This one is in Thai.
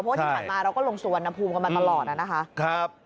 เพราะที่ผ่านมาเราก็ลงสวนภูมิกันมาตลอดนะครับ